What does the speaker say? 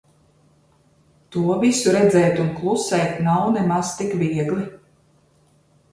To visu redzēt un klusēt nav nemaz tik viegli.